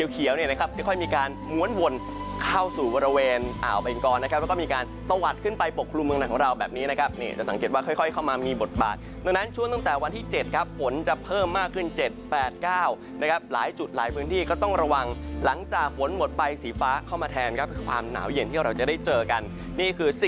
จะค่อยมีการม้วนวนเข้าสู่บริเวณอ่าวเบงกรนะครับแล้วก็มีการตะวัดขึ้นไปปกครุมเมืองไหนของเราแบบนี้นะครับนี่จะสังเกตว่าค่อยเข้ามามีบทบาทดังนั้นช่วงตั้งแต่วันที่๗ครับฝนจะเพิ่มมากขึ้น๗๘๙นะครับหลายจุดหลายพื้นที่ก็ต้องระวังหลังจากฝนหมดไปสีฟ้าเข้ามาแทนครับคือความหนาวเย็นที่เราจะได้เจอกันนี่คือ